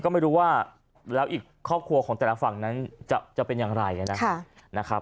ก็ไม่รู้ว่าแล้วอีกครอบครัวของแต่ละฝั่งนั้นจะเป็นอย่างไรนะครับ